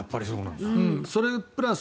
それプラス